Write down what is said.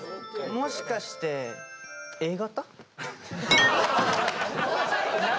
もしかしてＡ型？